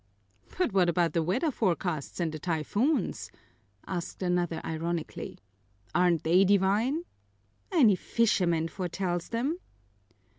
"But what about the weather forecasts and the typhoons?" asked another ironically. "Aren't they divine?" "Any fisherman foretells them!"